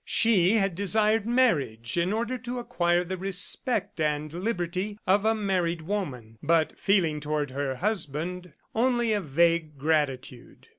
She had desired marriage in order to acquire the respect and liberty of a married woman, but feeling towards her husband only a vague gratitude.